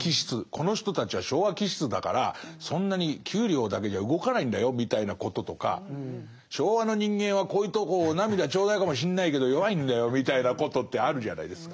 この人たちは昭和気質だからそんなに給料だけじゃ動かないんだよみたいなこととか昭和の人間はこういうとこお涙頂戴かもしんないけど弱いんだよみたいなことってあるじゃないですか。